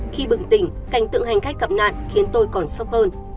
khi bừng tỉnh cảnh tượng hành khách gặp nạn khiến tôi còn sốc hơn